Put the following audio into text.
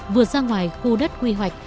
vượt ra ngoài khu đất quy hoạch